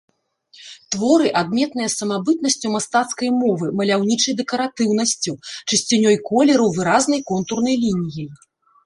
Творы адметныя самабытнасцю мастацкай мовы, маляўнічай дэкаратыўнасцю, чысцінёй колераў, выразнай контурнай лініяй.